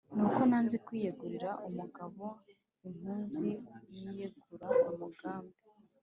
nuko nanze kwiyegura umugabo impunzi ziyegura umugambi